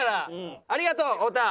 ありがとう太田。